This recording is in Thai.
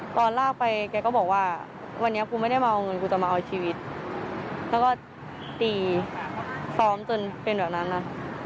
ตอนลากไปแกก็บอกว่าวันนี้กูไม่ได้มาเอาเงินกูจะมาเอาชีวิตแล้วก็ตีซ้อมจนเป็นแบบนั้นนะ